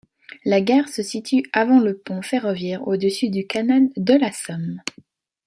La gare se situe avant le pont ferroviaire au-dessus du canal de la Somme.